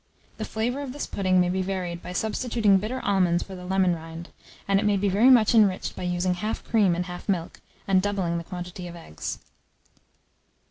The flavour of this pudding may be varied by substituting bitter almonds for the lemon rind; and it may be very much enriched by using half cream and half milk, and doubling the quantity of eggs.